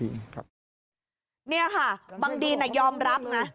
นี่ค่ะบางดีนยอมรับนะ